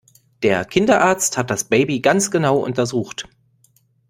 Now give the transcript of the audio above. Der Kinderarzt hat das Baby ganz genau untersucht.